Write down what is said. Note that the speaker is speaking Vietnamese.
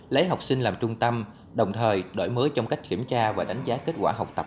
lấy học sinh làm trung tâm đồng thời đổi mới trong cách kiểm tra và đánh giá kết quả học tập